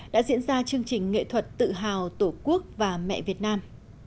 đã diễn ra chương trình nghệ thuật tự hào tổ quốc và mẹ việt nam